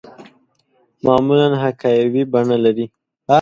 معمولاً حکایوي بڼه لري.